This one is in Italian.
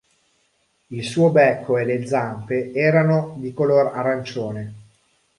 Il suo becco e le zampe erano di color arancione.